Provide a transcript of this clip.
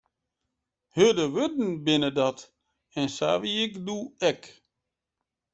Hurde wurden binne dat, en sa wie ik doe ek.